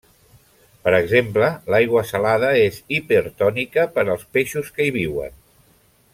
Per exemple, l'aigua salada és hipertònica per als peixos que hi viuen.